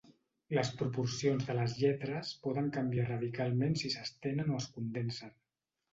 Les proporcions de les lletres poden canviar radicalment si s'estenen o es condensen.